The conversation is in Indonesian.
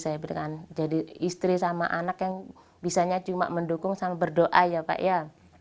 saya berikan jadi istri sama anak yang bisanya cuma mendukung sama berdoa ya pak ya